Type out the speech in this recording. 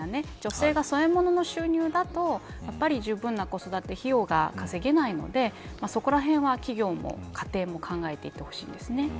女性がそういうものの収入だとやっぱり、じゅうぶんな子育て費用が稼げないのでそこらへんは企業も家庭も考えていってほしいですね。